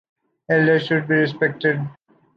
Elders should be respected.